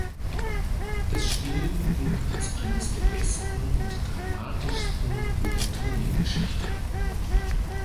Das Spiel gilt als eines der besten und dramatischsten in der Turniergeschichte.